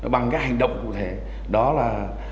bằng cái hành động cụ thể đó là